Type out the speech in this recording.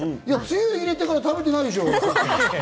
つゆ入れてから食べてないでしょ？